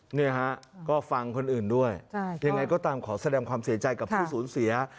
เนี่ยฮะก็ฟังคนอื่นด้วยยังไงก็ตามขอแสดงความเสียใจกับผู้สูญเสีย